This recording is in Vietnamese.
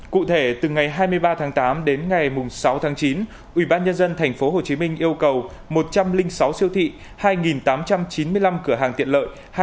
cụ thể từ ngày hai mươi ba tháng tám đến ngày sáu tháng chín ubnd tp hcm yêu cầu một trăm linh sáu siêu thị hai tám trăm chín mươi năm cửa hàng tiện lợi